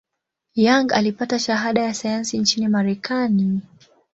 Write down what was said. Young alipata shahada ya sayansi nchini Marekani.